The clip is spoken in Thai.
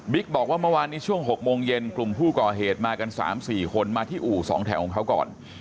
บอกว่าเมื่อวานนี้ช่วง๖โมงเย็นกลุ่มผู้ก่อเหตุมากัน๓๔คนมาที่อู่๒แถวของเขาก่อน